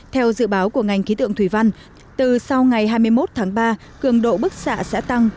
theo dự báo của ngành khí tượng thủy văn từ sau ngày hai mươi một tháng ba cường độ bức xạ sẽ tăng